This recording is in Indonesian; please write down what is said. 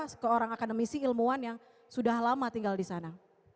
seorang akademisi ilmuwan yang sudah lama tinggal di sana